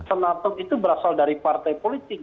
senatok itu berasal dari partai politik